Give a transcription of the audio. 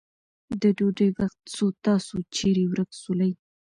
د ډوډی وخت سو تاسو چیري ورک سولې.